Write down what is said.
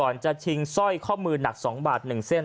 จะชิงสร้อยข้อมือหนัก๒บาท๑เส้น